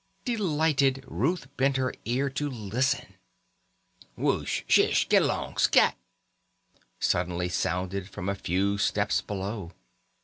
Delighted, Ruth bent her ear to listen. "Whoosh! Shish! Get along! Scat!" suddenly sounded from a few steps below.